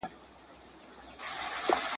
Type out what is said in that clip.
بیا به بهار وي جهان به ګل وي `